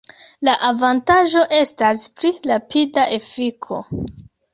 La avantaĝo estas pli rapida efiko.